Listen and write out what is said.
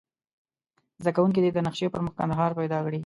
زده کوونکي دې د نقشې پر مخ کندهار پیدا کړي.